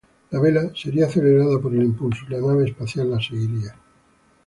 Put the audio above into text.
La vela sería acelerada por el impulso y la nave espacial la seguiría.